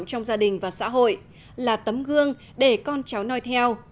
trong gia đình và xã hội là tấm gương để con cháu nói theo